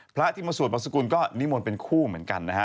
พระที่มาสวดบัสกุลก็นิมนต์เป็นคู่เหมือนกันนะฮะ